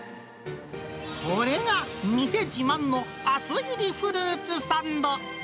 これが店自慢の厚切りフルーツサンド。